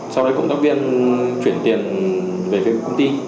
sau đấy cộng tác viên chuyển tiền về facebook công ty